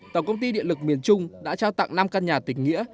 tổng công ty điện lực miền trung đã trao tặng năm căn nhà tỉnh nghĩa